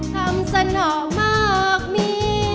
ทำสนอมากมี